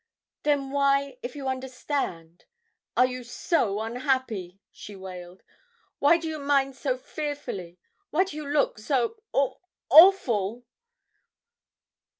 "Then why, if you understand, are you so un unhappy?" she wailed. "Why do you mind so fearfully? Why do you look so aw awful?"